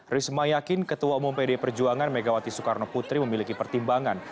risma yakin ketua umum pd perjuangan megawati soekarno putri memiliki pertimbangan